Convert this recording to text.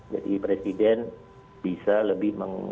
jadi presiden bisa lebih menguruskan